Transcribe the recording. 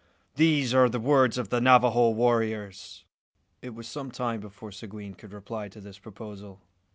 These are the words of the Navajo warriors." It was some time before Seguin could reply to this proposal.